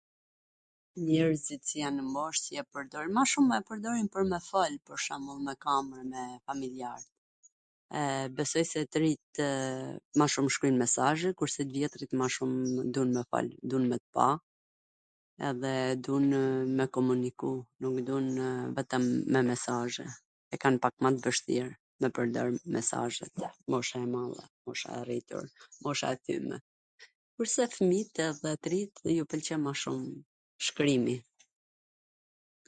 Njerzit qw jan nw mosh, e pwrdorin ... ma shum e pwrdorin pwr me fol, pwr shwmbull, me kamer e me familjar. Besoj se tw rijtw ma shum shkrujn mesazhe, kurse t vjetrit ma shum dun me fol, dun me pa, edhe dunw me komuniku, nuk dunw vetwm me mesazhe, e kan pak ma t vwshtir me pwrdor mesazhe mosha e madhe, mosha e rritur, mosha e thyme. Kurse fmit edhe t rit ju pwlqen ma shum shkrimi.